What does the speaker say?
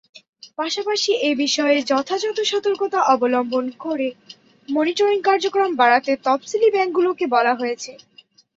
পাশাপাশি এ বিষয়ে যথাযথ সতর্কতা অবলম্বন করে মনিটরিং কার্যক্রম বাড়াতে তফসিলি ব্যাংকগুলোকে বলা হয়েছে।